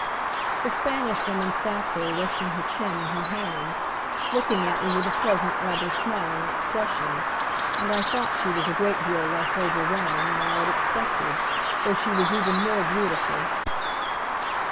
The Spanish Woman sat there, resting her chin in her hand, looking at me with a pleasant rather smiling expression; and I thought she was a great deal less overwhelming than I had expected, though she was even more beautiful.